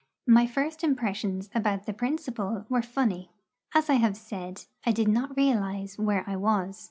My first impressions about the 'principal' were funny. As I have said, I did not realise where I was.